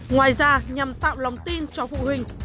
ngoài ra nhằm tạo lòng tin cho phụ huynh